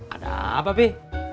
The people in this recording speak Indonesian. ada apa bi